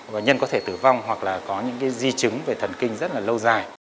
và nhân có thể tử vong hoặc là có những cái di chứng về thần kinh rất là lâu dài